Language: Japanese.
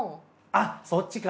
あっそっちか。